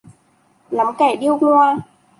Lắm kẻ điêu ngoa